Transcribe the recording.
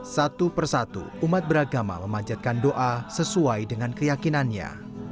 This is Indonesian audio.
satu persatu umat beragama memanjatkan doa sesuai dengan keyakinannya